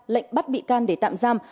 lệnh bắt bị can để tạm giam